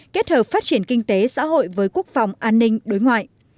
kết hợp phát triển kinh tế xã hội với quốc phòng an ninh đối ngoại